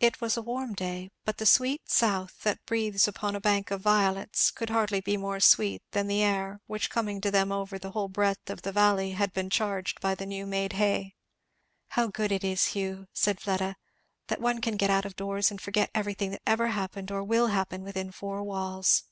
It was a warm day, but "the sweet south that breathes upon a bank of violets," could hardly be more sweet than the air which coming to them over the whole breadth of the valley had been charged by the new made hay. "How good it is, Hugh," said Fleda, "that one can get out of doors and forget everything that ever happened or ever will happen within four walls!"